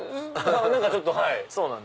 何かちょっとはい。